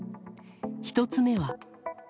１つ目は。